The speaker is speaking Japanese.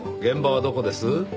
現場はどこです？